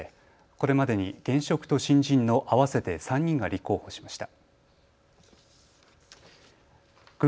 これまでに現職と新人の合わせて３人が立候補しました。